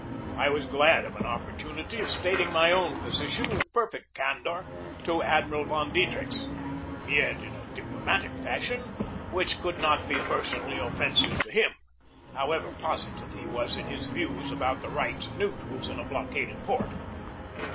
I was glad of an opportunity of stating my own posi tion with perfect candor to Admiral von Diedrichs, yet in a diplomatic fashion which could not be per sonally offensive to him, however positive he was in his views about the rights of neutrals in a blockaded port.